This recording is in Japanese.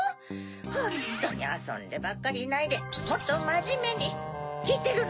ホントにあそんでばっかりいないでもっとまじめにきいてるの？